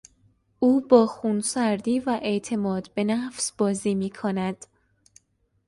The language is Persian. او با خونسردی و اعتماد به نفس بازی میکند.